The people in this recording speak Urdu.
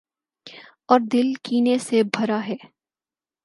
اوردل کینے سے بھراہے۔